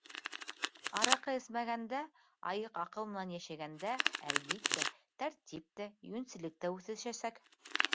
Араҡы эсмәгәндә, айыҡ аҡыл менән йәшәгәндә, әлбиттә, тәртип тә, йүнселлек тә үҫешәсәк.